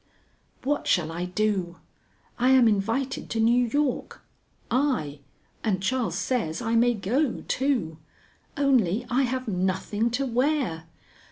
What shall I do? I am invited to New York, I, and Charles says I may go, too only I have nothing to wear.